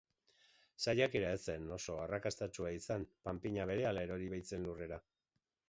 Saiakera ez zen oso arrakastatsua izan, panpina berehala erori baitzen lurrera.